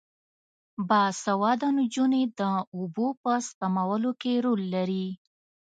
باسواده نجونې د اوبو په سپمولو کې رول لري.